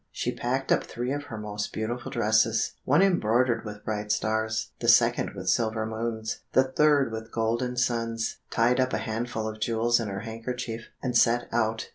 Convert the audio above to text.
She packed up three of her most beautiful dresses, one embroidered with bright stars, the second with silver moons, the third with golden suns, tied up a handful of jewels in her handkerchief, and set out.